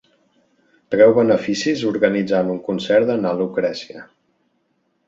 Treu beneficis organitzant un concert de na Lucrècia.